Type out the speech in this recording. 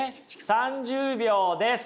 ３０秒です。